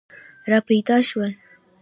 را پیدا شول.